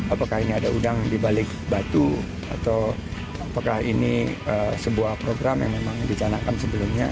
apakah ini ada udang di balik batu atau apakah ini sebuah program yang memang dicanakan sebelumnya